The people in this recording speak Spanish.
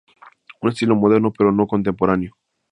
Un estilo moderno, pero no contemporáneo.